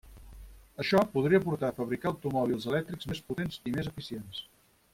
Això podria portar a fabricar automòbils elèctrics més potents i més eficients.